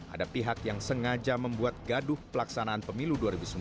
ada pihak yang sengaja membuat gaduh pelaksanaan pemilu dua ribu sembilan belas